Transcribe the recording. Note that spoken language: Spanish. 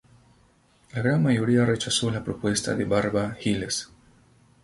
La gran mayoría rechazó la propuesta del barba Gilles.